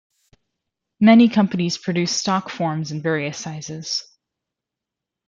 Many companies produce stock forms in various sizes.